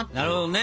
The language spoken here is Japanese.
なるほどね。